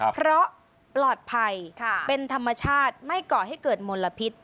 เพราะปลอดภัยเป็นธรรมชาติไม่ก่อให้เกิดมลพิษ